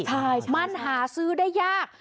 ใช่มันหาซื้อได้ยาก